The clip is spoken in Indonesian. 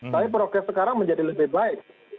tapi progres sekarang menjadi lebih baik